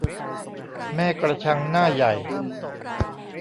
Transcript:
แม่กระชังหน้าใหญ่